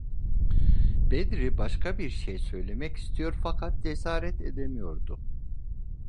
Bedri başka bir şey söylemek istiyor fakat cesaret edemiyordu.